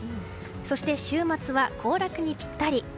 そして、週末は行楽にぴったり。